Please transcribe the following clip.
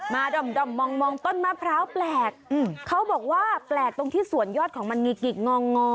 ด่อมมองต้นมะพร้าวแปลกเขาบอกว่าแปลกตรงที่สวนยอดของมันมีกิกงองอ